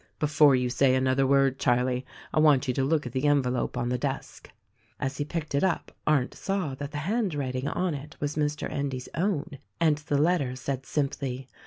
"Before you say another word, Charlie, I want you to look at the envelope on the desk." As he picked it up Arndt saw that the handwriting on it was Mr. Endy's own, and the letter said simply.